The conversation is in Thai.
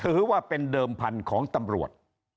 ถือว่าเป็นเดิมพันธุ์ของตำรวจ